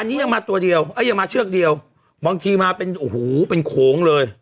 อันนี้ยังมาตัวเดียวเอ้ยยังมาเชือกเดียวบางทีมาเป็นโอ้โหเป็นโขงเลย